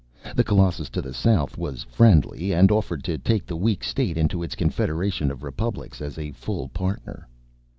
The Colossus to the south was friendly and offered to take the weak state into its confederation of republics as a full partner.